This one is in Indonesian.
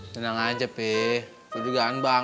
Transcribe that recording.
tenang aja pih